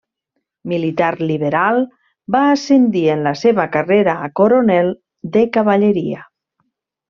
Militar liberal, va ascendir en la seva carrera a coronel de cavalleria.